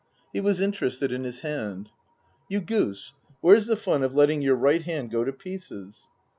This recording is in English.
He was interested in his hand. r ' You goose, where's the fun of letting your right hand go to pieces